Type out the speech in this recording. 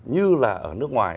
như là ở nước ngoài